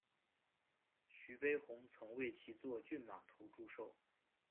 徐悲鸿曾为其作骏马图祝寿。